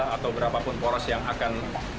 atau berapapun poros yang akan